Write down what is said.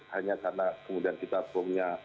hanya karena kemudian kita punya